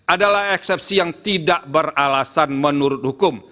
adalah eksepsi yang tidak beralasan menurut hukum